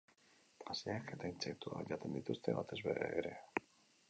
Haziak eta intsektuak jaten dituzte batez ere.